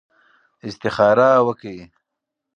استخاره وکړئ.